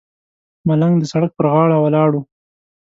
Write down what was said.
ملنګ د سړک پر غاړه ولاړ و.